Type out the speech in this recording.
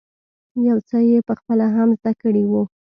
يو څه یې په خپله هم زده کړی وو.